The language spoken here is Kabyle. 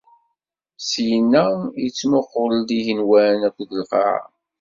Syinna, ittmuqul-d igenwan akked lqaɛa.